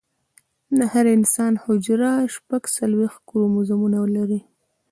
د انسان هره حجره شپږ څلوېښت کروموزومونه لري